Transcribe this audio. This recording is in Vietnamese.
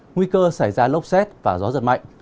nguy cơ xảy ra lốc xét và gió giật mạnh